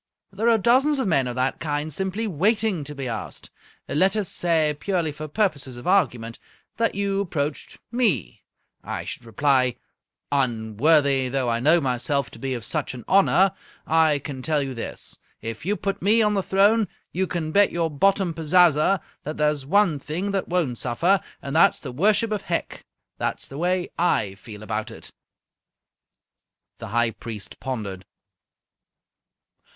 There are dozens of men of that kind simply waiting to be asked. Let us say, purely for purposes of argument, that you approached me. I should reply, 'Unworthy though I know myself to be of such an honour, I can tell you this. If you put me on the throne, you can bet your bottom pazaza that there's one thing that won't suffer, and that is the worship of Hec!' That's the way I feel about it." The High Priest pondered.